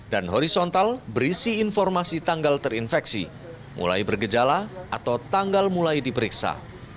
dan horizontal berisi informasi tanggal terinfeksi mulai bergejala atau tanggal mulai diperiksa